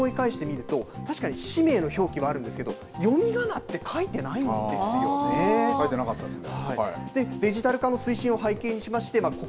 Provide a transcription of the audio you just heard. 戸籍、思い出してみると確かに氏名の表記があるんですけども読みがなって書いてなかったですね。